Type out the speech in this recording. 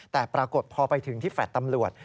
แต่ปรากฏพอไปถึงที่แฟลต์ตำรวจ